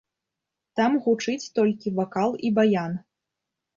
Там гучыць толькі вакал і баян.